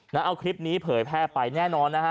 แล้วเอาคลิปนี้เผยแพร่ไปแน่นอนนะฮะ